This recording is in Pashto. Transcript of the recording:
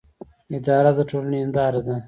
اداره د ټولنې هنداره ده